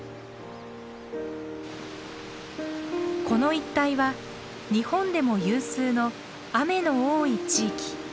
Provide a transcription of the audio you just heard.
この一帯は日本でも有数の雨の多い地域。